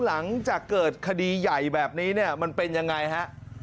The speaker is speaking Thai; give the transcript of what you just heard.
หลังจากเกิดคดีใหญ่แบบนี้เนี่ยมันเป็นยังไงฮะ